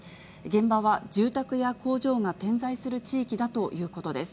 現場は住宅や工場が点在する地域だということです。